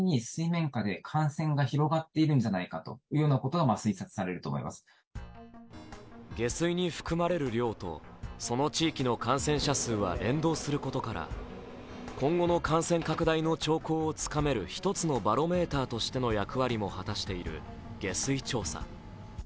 いち早く下水調査に着目した専門家は下水に含まれる量と、その地域の感染者数は連動することから今後の感染拡大の兆候をつかめる一つのバロメーターとしての役割も果たしている下水調査。